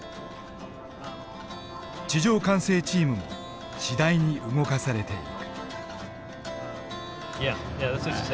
地上管制チームも次第に動かされていく。